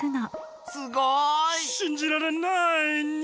すごい！しんじられないニャ。